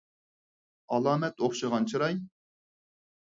ئالامەت ئوخشىغان چىراي.